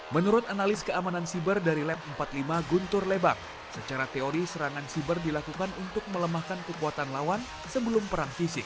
menurut analis keamanan siber dari lab empat puluh lima guntur lebak secara teori serangan siber dilakukan untuk melemahkan kekuatan lawan sebelum perang fisik